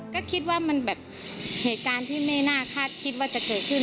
ก็คิดว่ามันแบบเหตุการณ์ที่ไม่น่าคาดคิดว่าจะเกิดขึ้น